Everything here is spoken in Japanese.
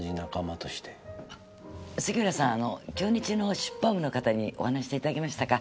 あ杉浦さんあの京日の出版部の方にお話ししていただけましたか？